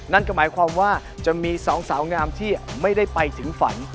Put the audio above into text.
นั่นก็หมายความว่าจะมีสองสาวงามที่ไม่ได้ไปถึงฝัน